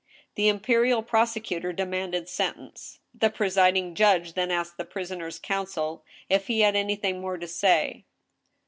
The imperial prosecutor demanded sentence. The presiding judge then asked the prisoner's counsel if he had anything more to say.